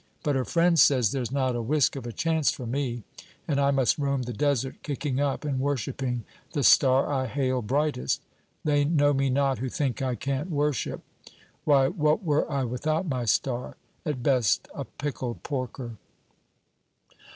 But her friend says there 's not a whisk of a chance for me, and I must roam the desert, kicking up, and worshipping the star I hail brightest. They know me not, who think I can't worship. Why, what were I without my star? At best a pickled porker.'